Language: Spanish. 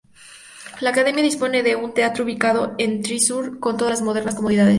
La academia dispone de un teatro ubicado en Thrissur con todas las modernas comodidades.